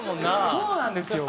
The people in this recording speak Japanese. そうなんですよ！